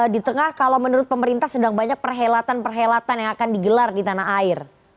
di tengah kalau menurut pemerintah sedang banyak perhelatan perhelatan yang akan digelar di tanah air